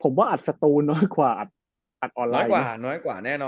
ผมว่าอัดสตูร์น้อยกว่าอัดออนไลน์นี่นะครับ